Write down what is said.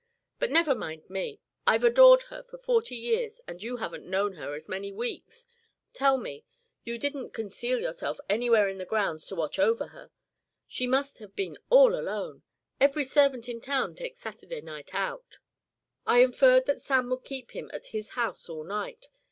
But never mind me. I've adored her for forty years, and you haven't known her as many weeks. Tell me, you didn't conceal yourself anywhere in the grounds to watch over her? She must have been all alone. Every servant in town takes Saturday night out." "I inferred that Sam would keep him at his house all night.